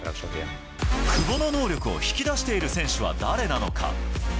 久保の能力を引き出している選手は誰なのか。